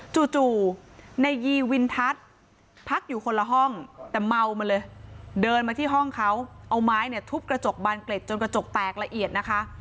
จู่ในยีวินทัศน์พักอยู่คนละห้องแต่เมามาเลยเดินมาที่ห้องเขาเอาไม้เนี่ยทุบกระจกบานเกล็ดจนกระจกแตกละเอียดนะคะ